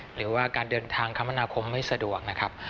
หรือว่าการเดินทางคมนาคมไม่สะดวกนะครับ